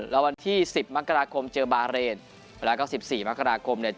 แล้ววันที่สิบมักกราคมเจอบาร์เรนแล้วก็สิบสี่มักกราคมเนี่ย